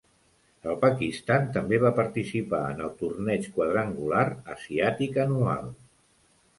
El Pakistan també va participar en el Torneig Quadrangular Asiàtic anual.